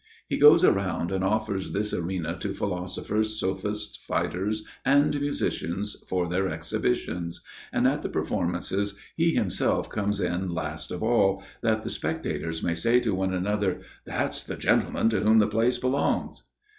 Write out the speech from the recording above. He goes around and offers this arena to philosophers, sophists, fighters, and musicians, for their exhibitions; and at the performances he himself comes in last of all, that the spectators may say to one another, "That's the gentleman to whom the place belongs."